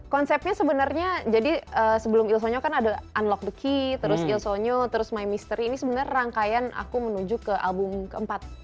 konsepnya sebenarnya jadi sebelum ilsoyo kan ada unlock the key terus ilsonyo terus my misteri ini sebenarnya rangkaian aku menuju ke album keempat